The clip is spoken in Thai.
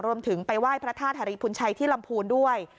รวมไปถึงไปไหว้พระธาตุธริพุนชัยที่ลำพูนด้วย